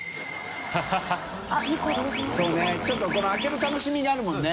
ちょっとこの開ける楽しみがあるもんね。